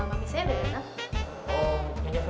oh belum ya